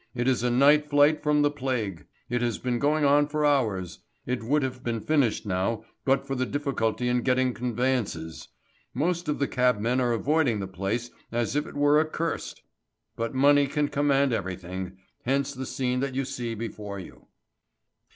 "It is a night flight from the plague. It has been going on for hours. It would have been finished now but for the difficulty in getting conveyances. Most of the cabmen are avoiding the place as if it were accursed. But money can command everything, hence the scene that you see before you."